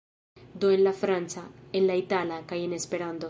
Do en la franca, en la itala, kaj en Esperanto.